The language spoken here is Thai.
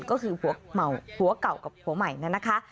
ก็คือผัวเก่ากับผัวใหม่นะคะ